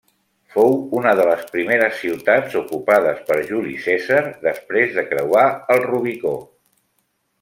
Fou una de les primeres ciutats ocupades per Juli Cèsar després de creuar el Rubicó.